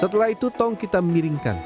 setelah itu tong kita miringkan